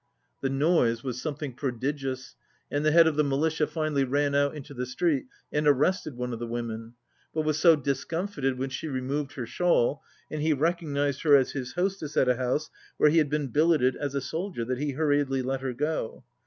The noise was some thing prodigious, and the head of the militia finally ran out into the street and arrested one of the women, but was so discomfited when she re moved her shawl and he recognized her as his host ess at a house where he had been billeted as a sol dier that he hurriedly let her go.